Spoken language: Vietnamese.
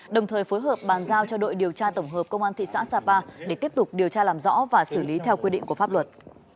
đồng thời phối hợp bàn giao cho đội điều tra tổng hợp công an thị xã sapa để tiếp tục điều tra làm rõ và xử lý theo quy định của pháp luật